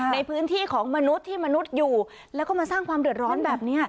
ในพื้นที่ของมนุษย์ที่มนุษย์อยู่แล้วก็มาสร้างความเดือดร้อนแบบนี้